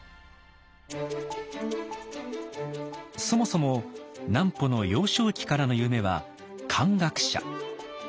そもそも南畝の幼少期からの夢は漢学者。